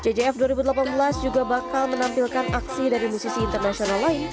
cjf dua ribu delapan belas juga bakal menampilkan aksi dari musisi internasional lain